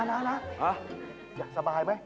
นะอยากสบายไหม